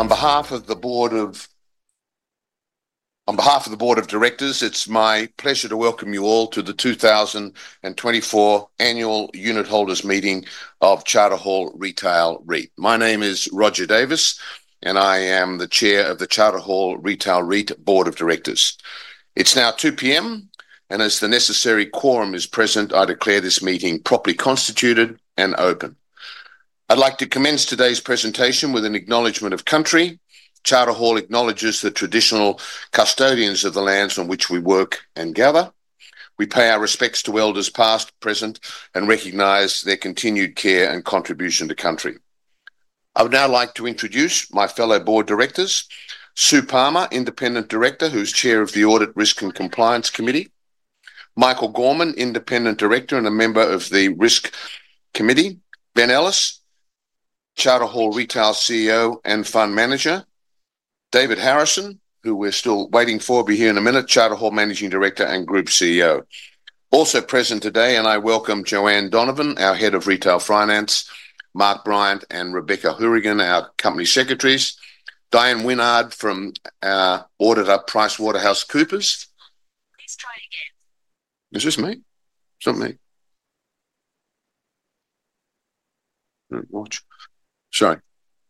On behalf of the Board of Directors, it's my pleasure to welcome you all to the 2024 Annual Unit Holders Meeting of Charter Hall Retail REIT. My name is Roger Davis, and I am the Chair of the Charter Hall Retail REIT Board of Directors. It's now 2:00 P.M., and as the necessary quorum is present, I declare this meeting properly constituted and open. I'd like to commence today's presentation with an acknowledgment of country. Charter Hall acknowledges the traditional custodians of the lands on which we work and gather. We pay our respects to elders past and present, and recognize their continued care and contribution to country. I would now like to introduce my fellow Board of Directors: Sue Palmer, Independent Director, who is Chair of the Audit Risk and Compliance Committee. Michael Gorman, Independent Director and a member of the Risk Committee. Ben Ellis, Charter Hall Retail CEO and Fund Manager. David Harrison, who we're still waiting for, will be here in a minute, Charter Hall Managing Director and Group CEO. Also present today, and I welcome Joanne Donovan, our Head of Retail Finance. Mark Bryant and Rebekah Hourigan, our Company Secretaries. Diane Winnard from our Auditor, PricewaterhouseCoopers. Please try again. Is this me? Is that me? Sorry,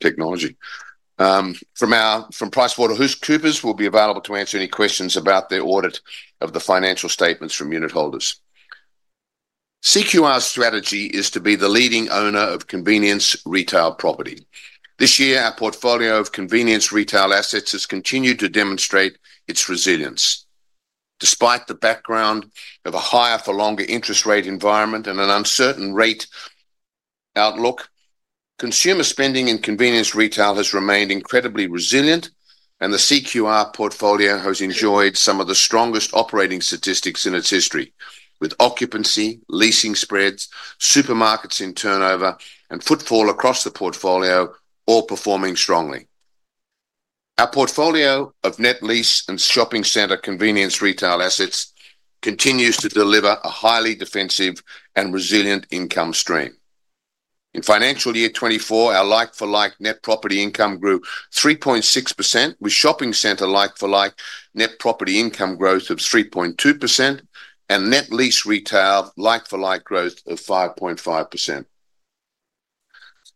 technology. From PricewaterhouseCoopers, we'll be available to answer any questions about their audit of the financial statements from unit holders. CQR's strategy is to be the leading owner of convenience retail property. This year, our portfolio of convenience retail assets has continued to demonstrate its resilience. Despite the background of a higher-for-longer interest rate environment and an uncertain rate outlook, consumer spending in convenience retail has remained incredibly resilient, and the CQR portfolio has enjoyed some of the strongest operating statistics in its history, with occupancy, leasing spreads, supermarkets in turnover, and footfall across the portfolio all performing strongly. Our portfolio of net lease and shopping centre convenience retail assets continues to deliver a highly defensive and resilient income stream. In financial year 2024, our like-for-like net property income grew 3.6%, with shopping centre like-for-like net property income growth of 3.2% and net lease retail like-for-like growth of 5.5%.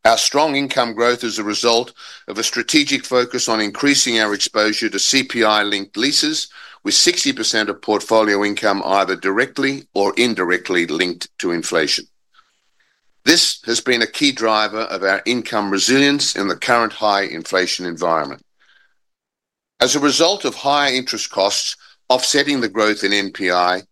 Our strong income growth is a result of a strategic focus on increasing our exposure to CPI-linked leases, with 60% of portfolio income either directly or indirectly linked to inflation. This has been a key driver of our income resilience in the current high inflation environment. As a result of higher interest costs offsetting the growth in NPI,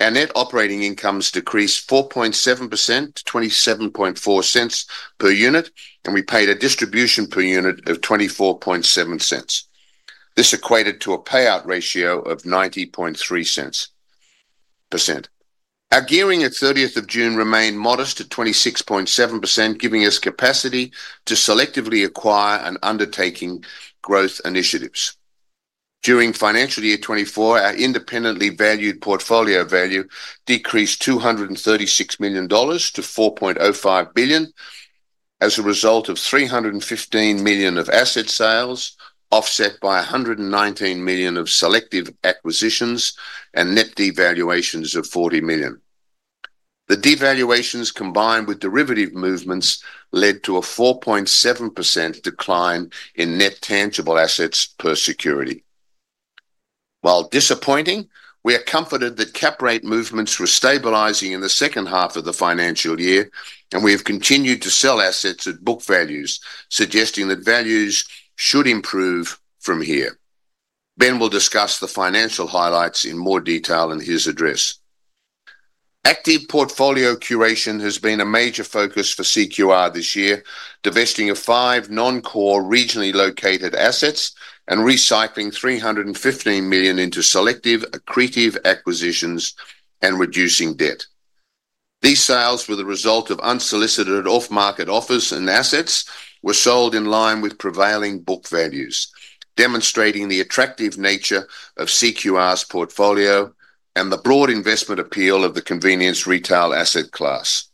our net operating incomes decreased 4.7% to 0.274 per unit, and we paid a distribution per unit of 0.247. This equated to a payout ratio of 90.3%. Our gearing at 30 June remained modest at 26.7%, giving us capacity to selectively acquire and undertake growth initiatives. During financial year 2024, our independently valued portfolio value decreased 236 million dollars to 4.05 billion as a result of 315 million of asset sales offset by 119 million of selective acquisitions and net devaluations of 40 million. The devaluations combined with derivative movements led to a 4.7% decline in net tangible assets per security. While disappointing, we are comforted that cap rate movements were stabilizing in the second half of the financial year, and we have continued to sell assets at book values, suggesting that values should improve from here. Ben will discuss the financial highlights in more detail in his address. Active portfolio curation has been a major focus for CQR this year, divesting of five non-core regionally located assets and recycling 315 million into selective accretive acquisitions and reducing debt. These sales, with the result of unsolicited off-market offers and assets, were sold in line with prevailing book values, demonstrating the attractive nature of CQR's portfolio and the broad investment appeal of the convenience retail asset class.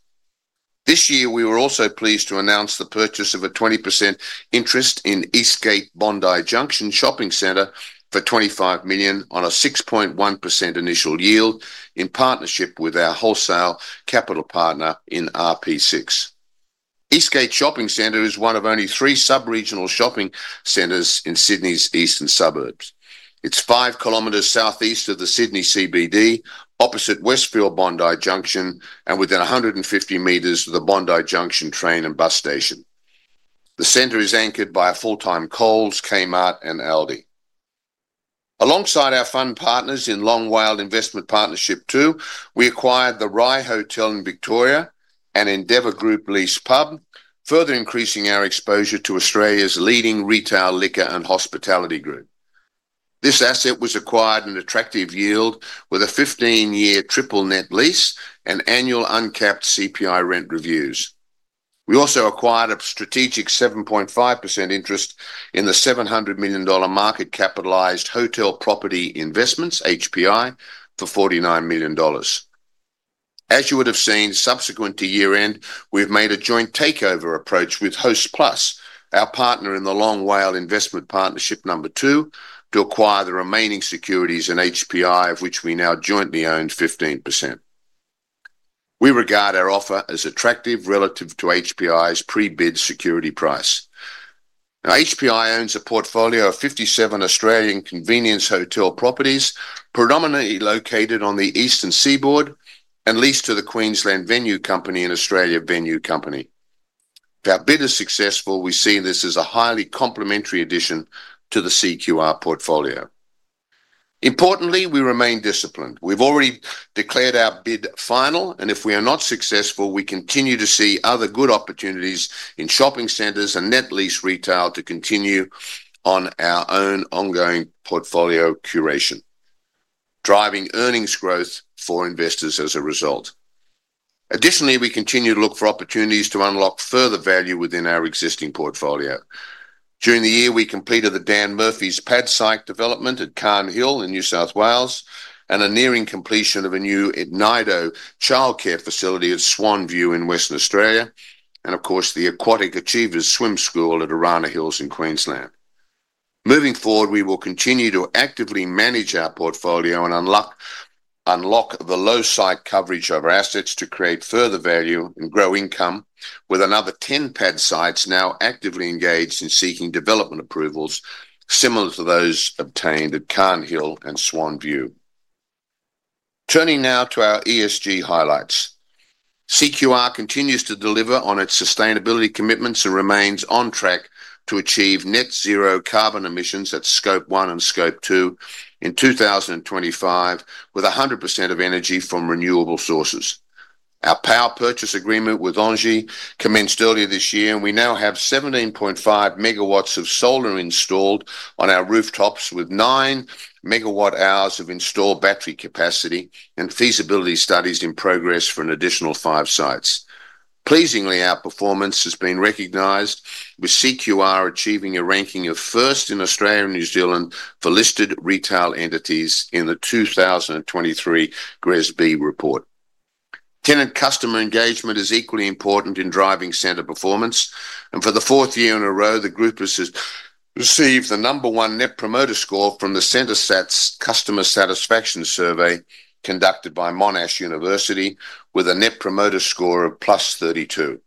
This year, we were also pleased to announce the purchase of a 20% interest in Eastgate Bondi Junction Shopping Centre for AUD 25 million on a 6.1% initial yield in partnership with our wholesale capital partner in RP6. shopping centre is one of only three subregional shopping centres in Sydney's eastern suburbs. It's 5 km southeast of the Sydney CBD, opposite Westfield Bondi Junction, and within 150 m of the Bondi Junction train and bus station. The center is anchored by a full-time Coles, Kmart, and Aldi. Alongside our fund partners in Long WALE Investment Partnership No. 2, we acquired the Rye Hotel in Victoria and Endeavour Group-leased pub, further increasing our exposure to Australia's leading retail liquor and hospitality group. This asset was acquired at an attractive yield with a 15-year triple net lease and annual uncapped CPI rent reviews. We also acquired a strategic 7.5% interest in the 700 million dollar market-capitalized Hotel Property Investments, HPI, for 49 million dollars. As you would have seen, subsequent to year-end, we have made a joint takeover approach with Hostplus, our partner in the Long WALE Investment Partnership No. 2, to acquire the remaining securities and HPI, of which we now jointly own 15%. We regard our offer as attractive relative to HPI's pre-bid security price. HPI owns a portfolio of 57 Australian convenience hotel properties, predominantly located on the Eastern Seaboard and leased to the Queensland Venue Company and Australian Venue Company. If our bid is successful, we see this as a highly complementary addition to the CQR portfolio. Importantly, we remain disciplined. We've already declared our bid final, and if we are not successful, we continue to see other good opportunities in shopping centres and net lease retail to continue on our own ongoing portfolio curation, driving earnings growth for investors as a result. Additionally, we continue to look for opportunities to unlock further value within our existing portfolio. During the year, we completed the Dan Murphy's pad site development at Carnes Hill in New South Wales and a nearing completion of a new Nido childcare facility at Swan View in Western Australia, and of course, the Aquatic Achievers Swim School at Arana Hills in Queensland. Moving forward, we will continue to actively manage our portfolio and unlock the low-side coverage of our assets to create further value and grow income with another 10 pad sites now actively engaged in seeking development approvals similar to those obtained at Carnes Hill and Swan View. Turning now to our ESG highlights, CQR continues to deliver on its sustainability commitments and remains on track to achieve net zero carbon emissions at Scope 1 and Scope 2 in 2025 with 100% of energy from renewable sources. Our power purchase agreement with ENGIE commenced earlier this year, and we now have 17.5 MW of solar installed on our rooftops with 9 MWh of installed battery capacity and feasibility studies in progress for an additional five sites. Pleasingly, our performance has been recognized, with CQR achieving a ranking of first in Australia and New Zealand for listed retail entities in the 2023 GRESB report. Tenant customer engagement is equally important in driving center performance, and for the fourth year in a row, the group has received the number one net promoter score from the CentreSat's customer satisfaction survey conducted by Monash University, with a Net Promoter Score of +32.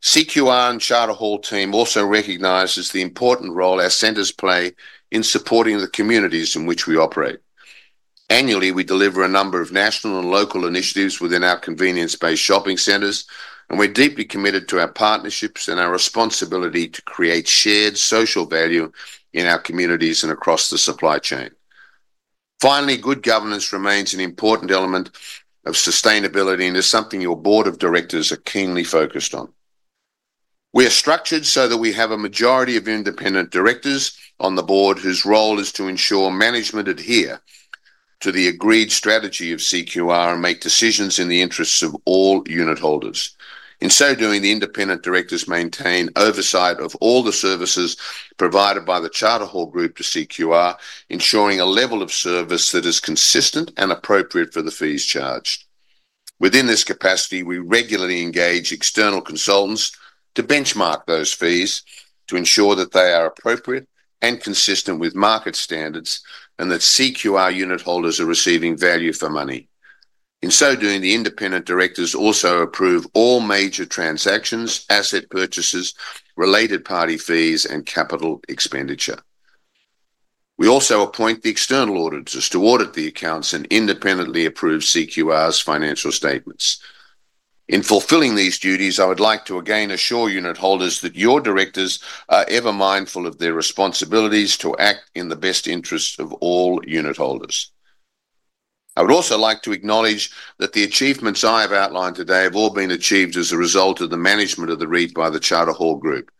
CQR and Charter Hall team also recognize the important role our centers play in supporting the communities in which we operate. Annually, we deliver a number of national and local initiatives within our convenience-based shopping centres, and we're deeply committed to our partnerships and our responsibility to create shared social value in our communities and across the supply chain. Finally, good governance remains an important element of sustainability, and it's something your Board of Directors are keenly focused on. We are structured so that we have a majority of independent directors on the board whose role is to ensure management adhere to the agreed strategy of CQR and make decisions in the interests of all unit holders. In so doing, the independent directors maintain oversight of all the services provided by the Charter Hall Group to CQR, ensuring a level of service that is consistent and appropriate for the fees charged. Within this capacity, we regularly engage external consultants to benchmark those fees to ensure that they are appropriate and consistent with market standards and that CQR unit holders are receiving value for money. In so doing, the independent directors also approve all major transactions, asset purchases, related party fees, and capital expenditure. We also appoint the external auditors to audit the accounts and independently approve CQR's financial statements. In fulfilling these duties, I would like to again assure unit holders that your directors are ever mindful of their responsibilities to act in the best interests of all unit holders. I would also like to acknowledge that the achievements I have outlined today have all been achieved as a result of the management of the REIT by the Charter Hall Group.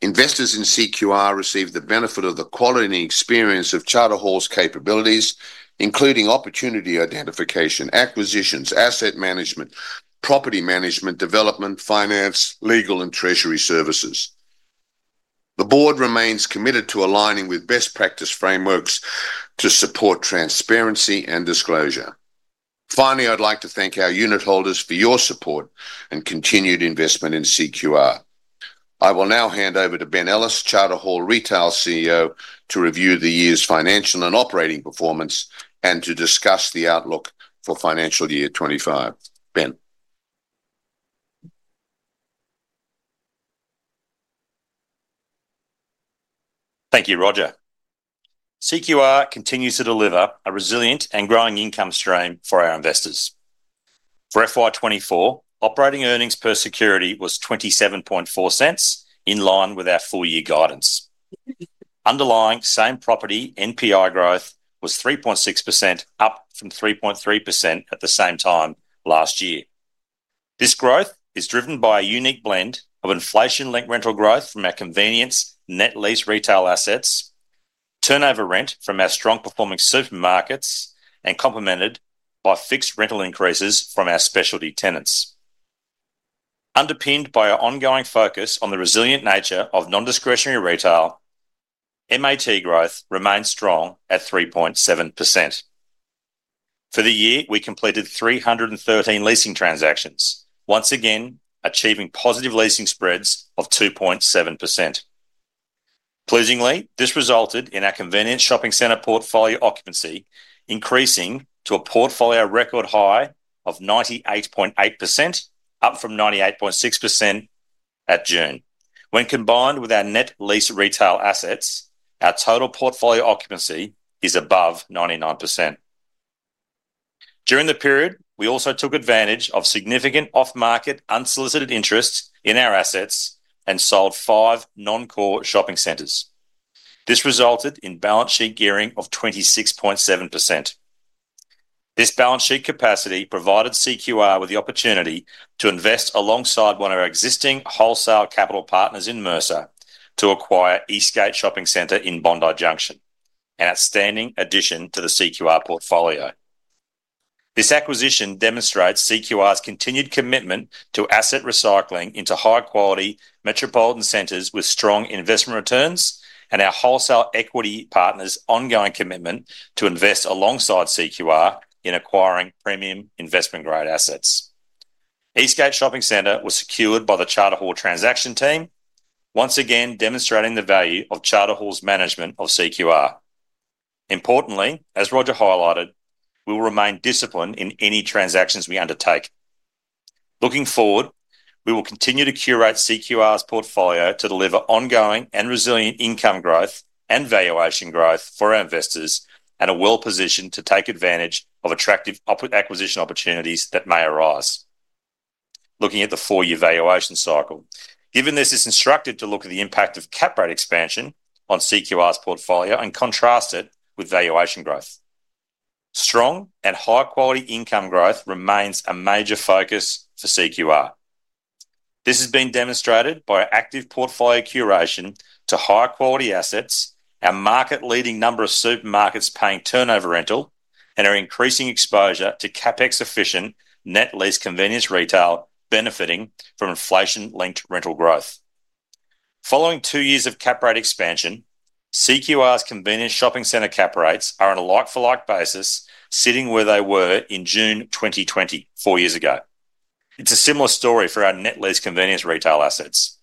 Investors in CQR receive the benefit of the quality and experience of Charter Hall's capabilities, including opportunity identification, acquisitions, asset management, property management, development, finance, legal, and treasury services. The board remains committed to aligning with best practice frameworks to support transparency and disclosure. Finally, I'd like to thank our unit holders for your support and continued investment in CQR. I will now hand over to Ben Ellis, Charter Hall Retail CEO, to review the year's financial and operating performance and to discuss the outlook for financial year 2025. Ben? Thank you, Roger. CQR continues to deliver a resilient and growing income stream for our investors. For FY 2024, operating earnings per security was 0.274, in line with our full-year guidance. Underlying same property NPI growth was 3.6%, up from 3.3% at the same time last year. This growth is driven by a unique blend of inflation-linked rental growth from our convenience net lease retail assets, turnover rent from our strong-performing supermarkets, and complemented by fixed rental increases from our specialty tenants. Underpinned by our ongoing focus on the resilient nature of non-discretionary retail, MAT growth remains strong at 3.7%. For the year, we completed 313 leasing transactions, once again achieving positive leasing spreads of 2.7%. Pleasingly, this resulted in our convenience shopping centre portfolio occupancy increasing to a portfolio record high of 98.8%, up from 98.6% at June. When combined with our net lease retail assets, our total portfolio occupancy is above 99%. During the period, we also took advantage of significant off-market unsolicited interest in our assets and sold five non-core shopping centres. This resulted in balance sheet gearing of 26.7%. This balance sheet capacity provided CQR with the opportunity to invest alongside one of our existing wholesale capital partners in Mercer to Eastgate Shopping Centre in Bondi Junction, an outstanding addition to the CQR portfolio. This acquisition demonstrates CQR's continued commitment to asset recycling into high-quality metropolitan centers with strong investment returns and our wholesale equity partners' ongoing commitment to invest alongside CQR in acquiring premium investment-grade assets. Eastgate Shopping Centre was secured by the Charter Hall transaction team, once again demonstrating the value of Charter Hall's management of CQR. Importantly, as Roger highlighted, we will remain disciplined in any transactions we undertake. Looking forward, we will continue to curate CQR's portfolio to deliver ongoing and resilient income growth and valuation growth for our investors and are well positioned to take advantage of attractive acquisition opportunities that may arise. Looking at the four-year valuation cycle, given this, it's interesting to look at the impact of Cap Rate expansion on CQR's portfolio and contrast it with valuation growth. Strong and high-quality income growth remains a major focus for CQR. This has been demonstrated by our active portfolio curation to high-quality assets, our market-leading number of supermarkets paying turnover rental, and our increasing exposure to CapEx-efficient net lease convenience retail benefiting from inflation-linked rental growth. Following two years of cap rate expansion, CQR's convenience shopping centre cap rates are on a like-for-like basis, sitting where they were in June 2020, four years ago. It's a similar story for our net lease convenience retail assets.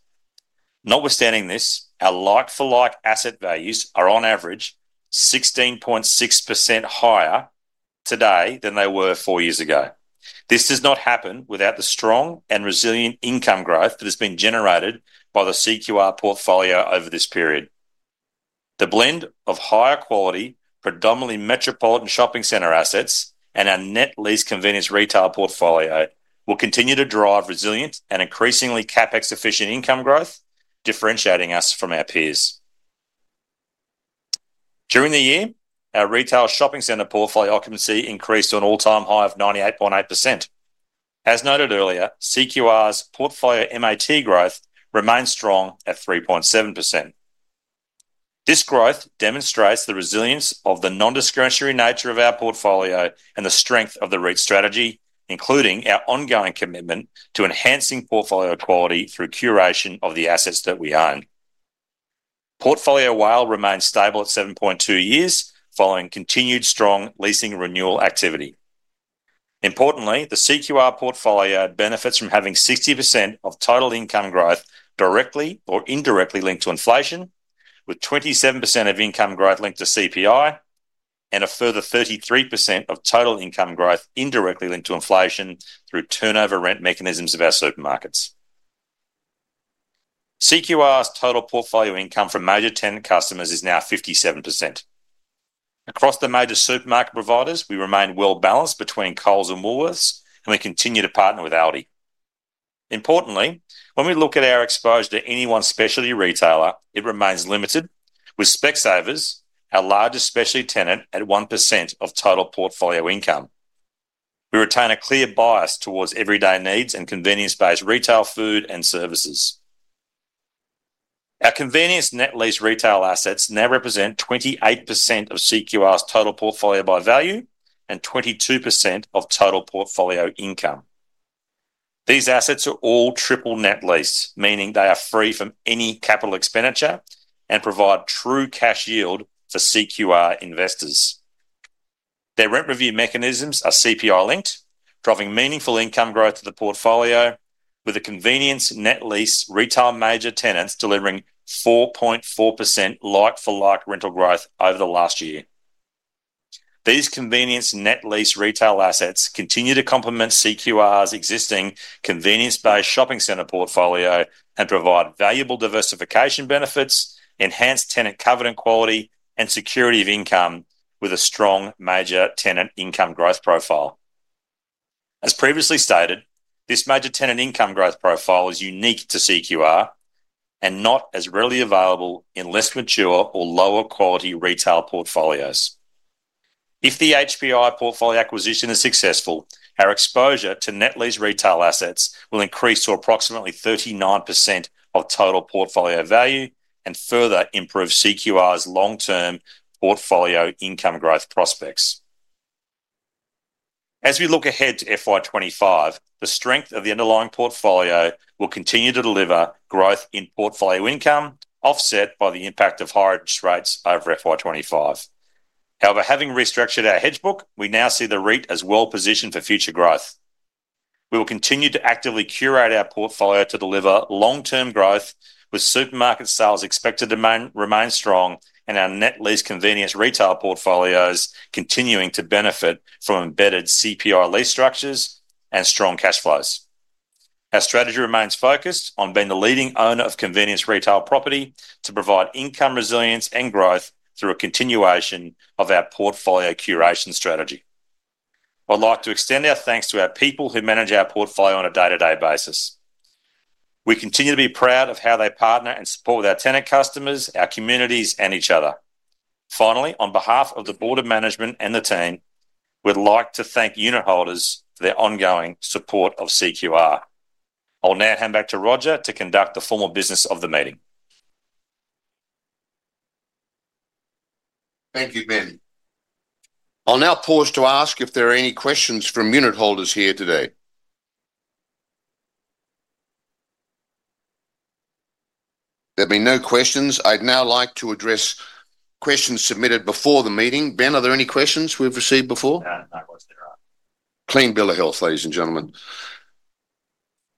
Notwithstanding this, our like-for-like asset values are on average 16.6% higher today than they were four years ago. This does not happen without the strong and resilient income growth that has been generated by the CQR portfolio over this period. The blend of higher-quality, predominantly metropolitan shopping centre assets and our net lease convenience retail portfolio will continue to drive resilient and increasingly CapEx-efficient income growth, differentiating us from our peers. During the year, our retail shopping centre portfolio occupancy increased to an all-time high of 98.8%. As noted earlier, CQR's portfolio MAT growth remains strong at 3.7%. This growth demonstrates the resilience of the non-discretionary nature of our portfolio and the strength of the REIT strategy, including our ongoing commitment to enhancing portfolio quality through curation of the assets that we own. Portfolio WALE remains stable at 7.2 years following continued strong leasing renewal activity. Importantly, the CQR portfolio benefits from having 60% of total income growth directly or indirectly linked to inflation, with 27% of income growth linked to CPI and a further 33% of total income growth indirectly linked to inflation through turnover rent mechanisms of our supermarkets. CQR's total portfolio income from major tenant customers is now 57%. Across the major supermarket providers, we remain well-balanced between Coles and Woolworths, and we continue to partner with Aldi. Importantly, when we look at our exposure to any one specialty retailer, it remains limited, with Specsavers, our largest specialty tenant, at 1% of total portfolio income. We retain a clear bias towards everyday needs and convenience-based retail food and services. Our convenience net lease retail assets now represent 28% of CQR's total portfolio by value and 22% of total portfolio income. These assets are all triple net lease, meaning they are free from any capital expenditure and provide true cash yield for CQR investors. Their rent review mechanisms are CPI-linked, driving meaningful income growth to the portfolio, with the convenience net lease retail major tenants delivering 4.4% like-for-like rental growth over the last year. These convenience net lease retail assets continue to complement CQR's existing convenience-based shopping centre portfolio and provide valuable diversification benefits, enhanced tenant coverage and quality, and security of income with a strong major tenant income growth profile. As previously stated, this major tenant income growth profile is unique to CQR and not as readily available in less mature or lower-quality retail portfolios. If the HPI portfolio acquisition is successful, our exposure to net lease retail assets will increase to approximately 39% of total portfolio value and further improve CQR's long-term portfolio income growth prospects. As we look ahead to FY 2025, the strength of the underlying portfolio will continue to deliver growth in portfolio income, offset by the impact of higher interest rates over FY 2025. However, having restructured our hedge book, we now see the REIT as well-positioned for future growth. We will continue to actively curate our portfolio to deliver long-term growth, with supermarket sales expected to remain strong and our net lease convenience retail portfolios continuing to benefit from embedded CPI lease structures and strong cash flows. Our strategy remains focused on being the leading owner of convenience retail property to provide income resilience and growth through a continuation of our portfolio curation strategy. I'd like to extend our thanks to our people who manage our portfolio on a day-to-day basis. We continue to be proud of how they partner and support their tenant customers, our communities, and each other. Finally, on behalf of the board of management and the team, we'd like to thank unit holders for their ongoing support of CQR. I'll now hand back to Roger to conduct the formal business of the meeting. Thank you, Ben. I'll now pause to ask if there are any questions from unit holders here today. There have been no questions. I'd now like to address questions submitted before the meeting. Ben, are there any questions we've received before? No, I'm not. Clean bill of health, ladies and gentlemen.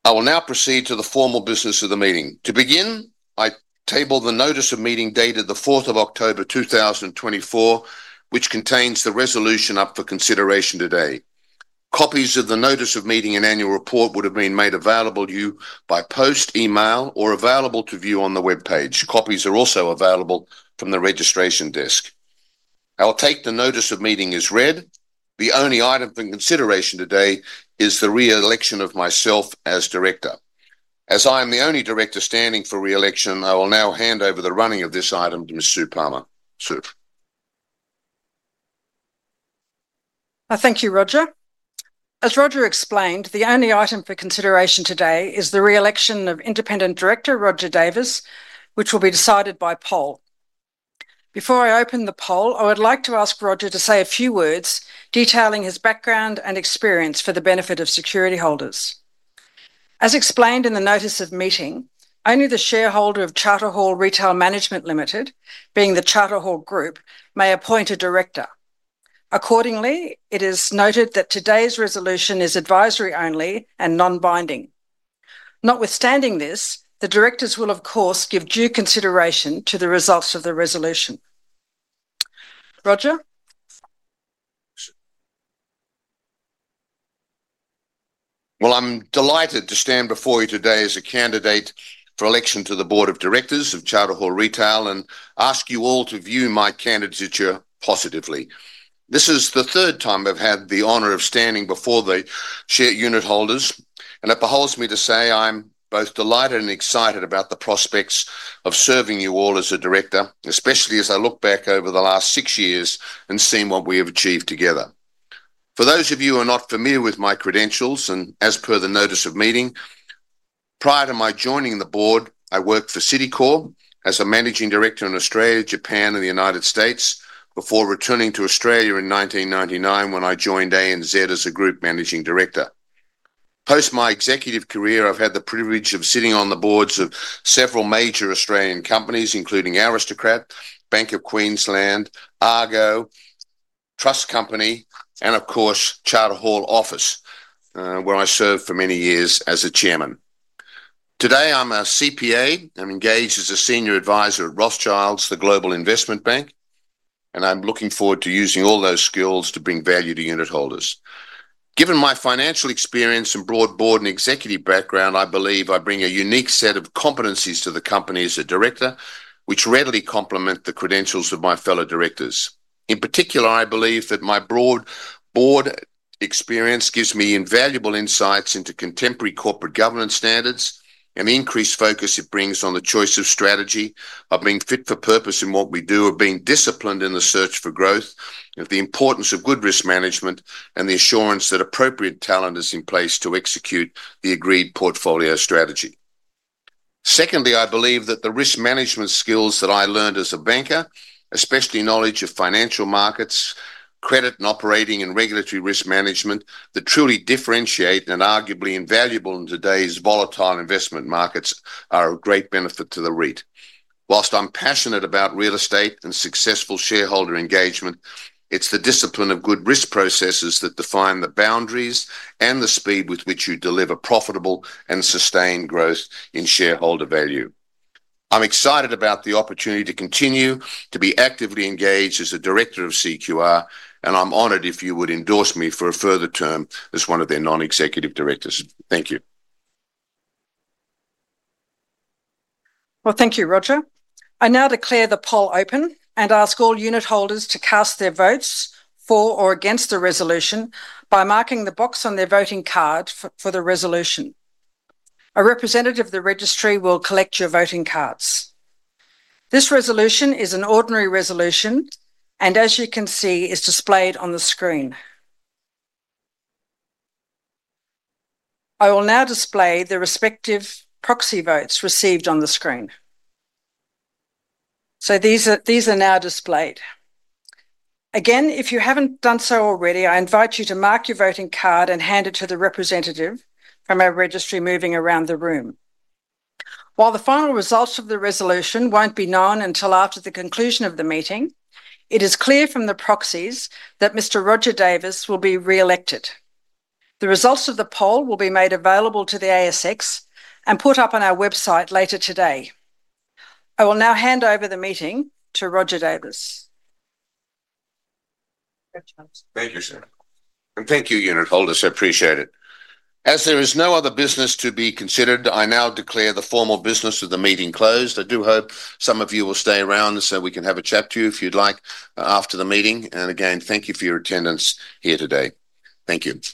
I will now proceed to the formal business of the meeting. To begin, I table the notice of meeting dated the 4th of October, 2024, which contains the resolution up for consideration today. Copies of the notice of meeting and annual report would have been made available to you by post, email, or available to view on the web page. Copies are also available from the registration desk. I'll take the notice of meeting as read. The only item for consideration today is the re-election of myself as Director. As I am the only Director standing for re-election, I will now hand over the running of this item to Ms. Sue Palmer. Thank you, Roger. As Roger explained, the only item for consideration today is the re-election of Independent Director Roger Davis, which will be decided by poll. Before I open the poll, I would like to ask Roger to say a few words detailing his background and experience for the benefit of security holders. As explained in the notice of meeting, only the shareholder of Charter Hall Retail Management Limited, being the Charter Hall Group, may appoint a director. Accordingly, it is noted that today's resolution is advisory only and non-binding. Notwithstanding this, the directors will, of course, give due consideration to the results of the resolution. Roger? I'm delighted to stand before you today as a candidate for election to the board of directors of Charter Hall Retail and ask you all to view my candidacy positively. This is the third time I've had the honor of standing before the unit holders, and it behooves me to say I'm both delighted and excited about the prospects of serving you all as a director, especially as I look back over the last six years and see what we have achieved together. For those of you who are not familiar with my credentials, and as per the notice of meeting, prior to my joining the board, I worked for Citicorp as a managing director in Australia, Japan, and the United States before returning to Australia in 1999 when I joined ANZ as a group managing director. Post my executive career, I've had the privilege of sitting on the boards of several major Australian companies, including Aristocrat, Bank of Queensland, Argo, Trust Company, and of course, Charter Hall Office, where I served for many years as a chairman. Today, I'm a CPA. I'm engaged as a senior advisor at Rothschild & Co, the global investment bank, and I'm looking forward to using all those skills to bring value to unit holders. Given my financial experience and broad board and executive background, I believe I bring a unique set of competencies to the company as a director, which readily complement the credentials of my fellow directors. In particular, I believe that my broad board experience gives me invaluable insights into contemporary corporate governance standards and the increased focus it brings on the choice of strategy of being fit for purpose in what we do, of being disciplined in the search for growth, of the importance of good risk management, and the assurance that appropriate talent is in place to execute the agreed portfolio strategy. Secondly, I believe that the risk management skills that I learned as a banker, especially knowledge of financial markets, credit and operating and regulatory risk management that truly differentiate and are arguably invaluable in today's volatile investment markets, are of great benefit to the REIT. Whilst I'm passionate about real estate and successful shareholder engagement, it's the discipline of good risk processes that define the boundaries and the speed with which you deliver profitable and sustained growth in shareholder value. I'm excited about the opportunity to continue to be actively engaged as a director of CQR, and I'm honored if you would endorse me for a further term as one of their non-executive directors. Thank you. Thank you, Roger. I now declare the poll open and ask all unit holders to cast their votes for or against the resolution by marking the box on their voting card for the resolution. A representative of the registry will collect your voting cards. This resolution is an ordinary resolution, and as you can see, it is displayed on the screen. I will now display the respective proxy votes received on the screen. These are now displayed. Again, if you haven't done so already, I invite you to mark your voting card and hand it to the representative from our registry moving around the room. While the final results of the resolution won't be known until after the conclusion of the meeting, it is clear from the proxies that Mr. Roger Davis will be re-elected. The results of the poll will be made available to the ASX and put up on our website later today. I will now hand over the meeting to Roger Davis. Thank you, sir, and thank you, unit holders. I appreciate it. As there is no other business to be considered, I now declare the formal business of the meeting closed. I do hope some of you will stay around so we can have a chat to you if you'd like after the meeting, and again, thank you for your attendance here today. Thank you.